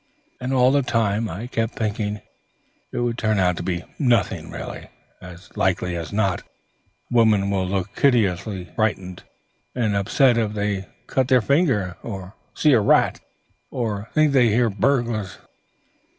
And all the time I kept thinking it would turn out to be nothing really, as likely as not; women will look hideously frightened and upset if they cut their finger, or see a rat, or think they hear burglars.